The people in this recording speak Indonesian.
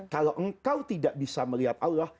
kalau engkau tidak bisa melihat allah